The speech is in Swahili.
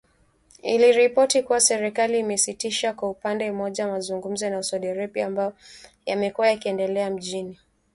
Iliripoti kuwa serikali imesitisha kwa upande mmoja mazungumzo na Saudi Arabia, ambayo yamekuwa yakiendelea mjini Baghdad